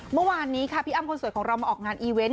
เมื่อวานนี้ค่ะพี่อ้ำคนสวยของเรามาออกงานอีเวนต์